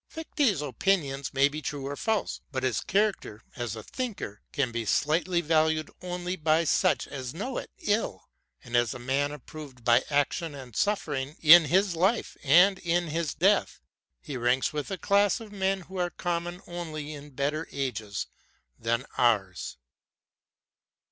Fichte's opinions may be true or false ; but his character, as a thinker, can be slightly valued only by such as know it ill ; and as a man, approved by action and suffering, in his life and in his death, he ranks with a class of men who were common only in better ages than ours.